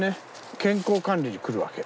健康管理に来るわけ。